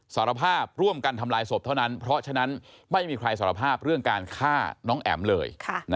สารภาพร่วมกันทำลายศพเท่านั้นเพราะฉะนั้นไม่มีใครสารภาพเรื่องการฆ่าน้องแอ๋มเลย